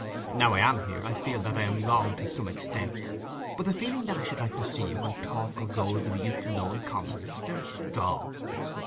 Now I am here I feel that I am wrong to some extent. But the feeling that I should like to see you, and talk of those we used to know in common, was very strong.